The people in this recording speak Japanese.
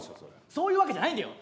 そういうわけじゃないんだよ。